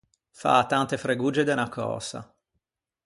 Fâ tante fregogge de unna cösa.